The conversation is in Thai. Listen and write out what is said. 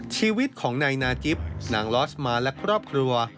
ชีวิตของนายนาจิปนางลอสมาและครอบครัว